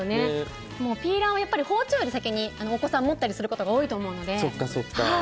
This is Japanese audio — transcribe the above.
ピーラーは包丁より先にお子さん持ったりすることが多いと思うので。